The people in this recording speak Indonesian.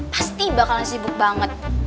pasti bakalan sibuk banget